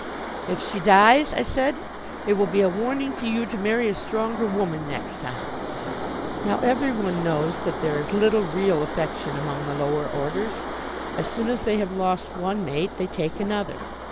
"If she dies," I said, "it will be a warning to you to marry a stronger woman next time." Now, every one knows that there is little real affection among the lower orders. As soon as they have lost one mate they take another.